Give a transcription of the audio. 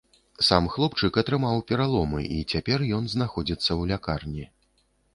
Сам хлопчык атрымаў пераломы, і цяпер ён знаходзіцца ў лякарні.